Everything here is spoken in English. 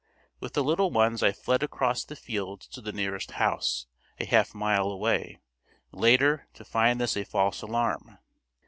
With the little ones I fled across the fields to the nearest house, a half mile away, later, to find this a false alarm.